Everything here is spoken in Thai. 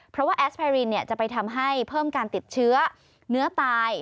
เพราะว่าแอสไพรินจะไปทำให้เพิ่มการติดเชื้อเนื้อตาย